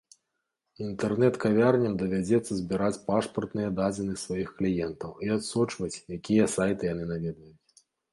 Інтэрнэт-кавярням давядзецца збіраць пашпартныя дадзеныя сваіх кліентаў і адсочваць, якія сайты яны наведваюць.